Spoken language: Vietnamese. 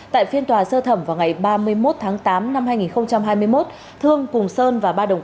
tại phiên tòa sơ thẩm vào ngày ba mươi một tháng tám năm hai nghìn hai mươi một thương cùng sơn và ba đồng